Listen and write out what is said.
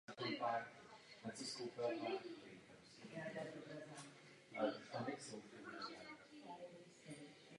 Důvodem ochrany je lokalita kriticky ohrožených druhů.